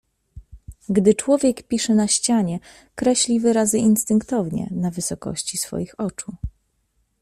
"Gdy człowiek pisze na ścianie, kreśli wyrazy instynktownie na wysokości swoich oczu."